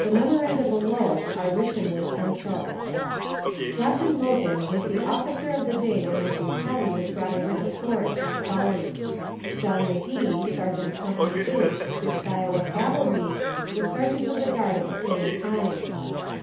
\The memoranda below are written with pencil.~\ Captain Logan was the officer of the day when Mrs. Kelly was brought into the fort (Sully). John Magee, Sergeant Co. H. Sixth Iowa Cavalry, was sergeant of the guard at the same time.